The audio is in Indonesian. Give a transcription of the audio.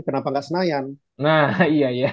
kenapa nggak senayan nah iya ya